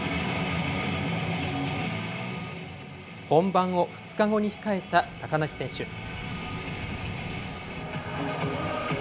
本番を２日後に控えた高梨選手。